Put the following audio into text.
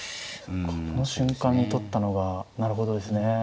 この瞬間に取ったのがなるほどですね。